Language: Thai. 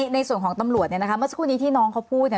ในส่วนของตำรวจเมื่อสักครู่นี้ที่น้องเขาพูด